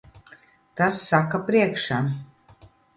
Tas saka priekšā.